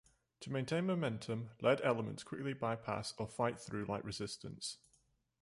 To maintain momentum, lead elements quickly bypass or fight through light resistance.